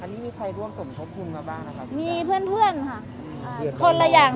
อันนี้มีใครร่วมสมทบทุนมาบ้างนะครับมีเพื่อนเพื่อนค่ะอ่าคนละอย่าง